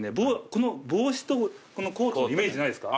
この帽子とコートイメージないですか？